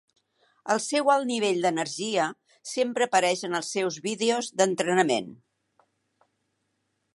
El seu alt nivell d'energia sempre apareix en els seus vídeos d'entrenament.